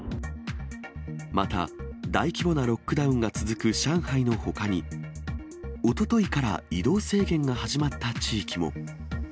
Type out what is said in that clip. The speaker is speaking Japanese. また、大規模なロックダウンが続く上海のほかに、おとといから移動制限が始まった地域も。